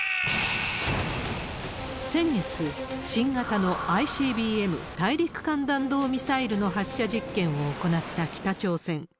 先月、新型のＩＣＢＭ・大陸間弾道ミサイルの発射実験を行った北朝鮮。